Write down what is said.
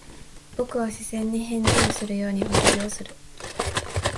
僕は視線に返事をするようにお辞儀をする。